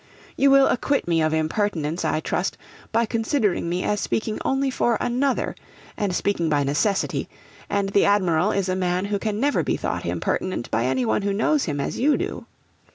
You will acquit me of impertinence I trust, by considering me as speaking only for another, and speaking by necessity; and the Admiral is a man who can never be thought impertinent by one who knows him as you do.